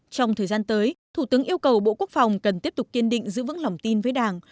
trong thời gian tới thủ tướng yêu cầu bộ quốc phòng cần tiếp tục kiên định giữ vững lòng tin với đảng